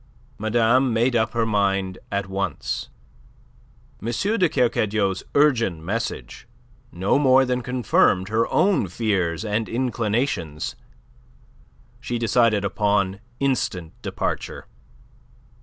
Madame made up her mind at once. M. de Kercadiou's urgent message no more than confirmed her own fears and inclinations. She decided upon instant departure.